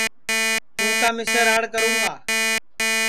توں کیا مِسے راڑ کروں گا